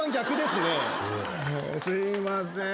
すいません。